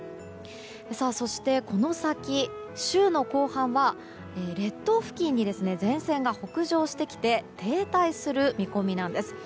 そして、この先週の後半は列島付近に前線が北上してきて停滞する見込みなんです。